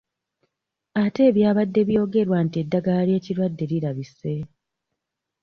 Ate ebyabadde byogerwa nti eddagala ly'ekirwadde lirabise?